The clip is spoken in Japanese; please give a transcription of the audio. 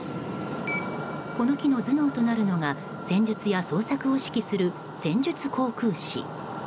この機の頭脳となるのが戦術や捜索を指揮する戦術航空士。